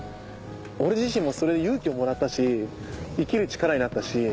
俺自身もそれで勇気をもらったし生きる力になったし。